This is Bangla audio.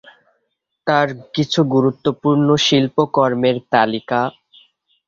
তার কিছু গুরুত্বপূর্ণ শিল্পকর্মের তালিকা